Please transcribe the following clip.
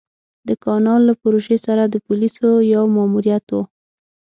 د کانال له پروژې سره د پوليسو يو ماموريت و.